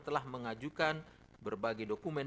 telah mengajukan berbagai dokumen